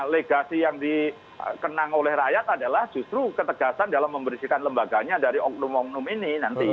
legasi yang dikenang oleh rakyat adalah justru ketegasan dalam membersihkan lembaganya dari oknum oknum ini nanti